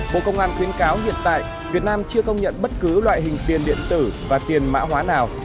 bộ công an khuyến cáo hiện tại việt nam chưa công nhận bất cứ loại hình tiền điện tử và tiền mã hóa nào